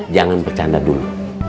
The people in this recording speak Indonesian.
jangan bercanda dulu